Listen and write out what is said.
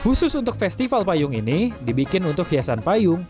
khusus untuk festival payung ini dibikin untuk hiasan payung